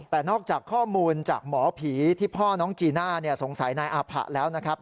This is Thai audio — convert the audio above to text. แต่นอกจากข้อมูลจากหมอผีที่พ่อน้องจีน่าสงสัยนายอาผะแล้วนะครับ